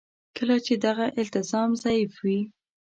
کله چې دغه التزام ضعیف وي.